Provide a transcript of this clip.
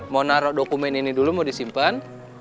mau naruh dokumen ini dulu mau disimpan